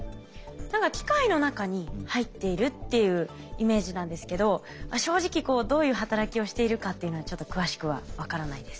何か機械の中に入っているっていうイメージなんですけど正直どういう働きをしているかっていうのはちょっと詳しくは分からないです。